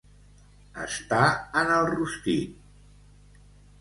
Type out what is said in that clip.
Estar en el rostit.